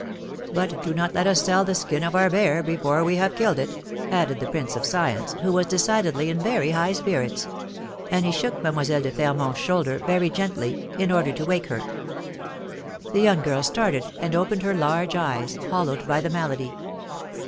But do not let us sell the skin of our bear before we have killed it," added the prince of science, who was decidedly in very high spirits. And he shook Mlle. de Fermont's shoulder very gently, in order to wake her. The young girl started and opened her large eyes, hollowed by the malady.